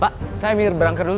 pak saya mirip berangkat dulu ya